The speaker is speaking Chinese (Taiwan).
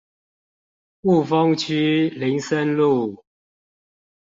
霧峰區林森路